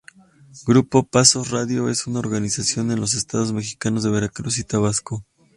Grupo Pazos Radio es una organización en los estados mexicanos de Veracruz y Tabasco.